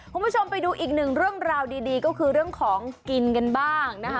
คุณผู้ชมไปดูอีกหนึ่งเรื่องราวดีก็คือเรื่องของกินกันบ้างนะคะ